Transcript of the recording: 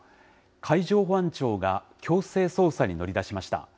海上保安庁が強制捜査に乗り出しました。